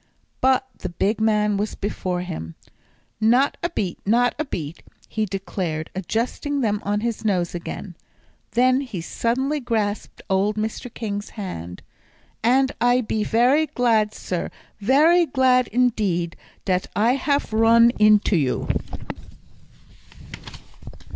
But the big man was before him. "Not a beet, not a beet," he declared, adjusting them on his nose again. Then he suddenly grasped old Mr. King's hand. "And I be very glad, sir, very glad indeed, dat I haf roon into you."